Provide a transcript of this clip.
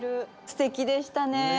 すてきでしたね